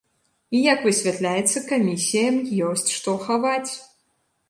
І як высвятляецца, камісіям ёсць што хаваць!